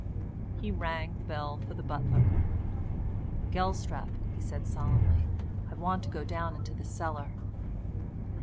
He rang the bell for the butler. "Gelstrap," he said solemnly, "I want to go down into the cellar."